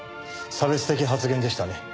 差別的発言でしたね。